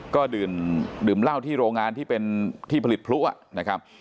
ก็ดื่มเหล้าที่โรงงานที่เป็นที่ผลิตพลุนะครับ